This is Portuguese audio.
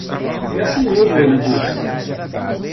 É assim mesmo, ele disse.